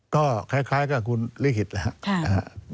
ก็คล้ายกับคุณลิขิตนะครับ